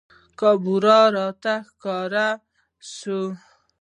کابورا ته راښکاره سوو